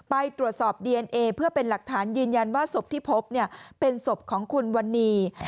ไปตรวจสอบดีเอนเอเพื่อเป็นหลักฐานยืนยันว่าศพที่พบเป็นศพของคุณวันนี้